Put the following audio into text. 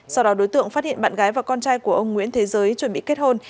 sau đó đối tượng phát hiện bạn gái và con trai của ông nguyễn thế giới chuẩn bị kết hôn